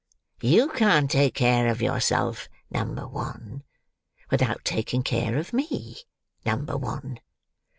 You can't take care of yourself, number one, without taking care of me, number one."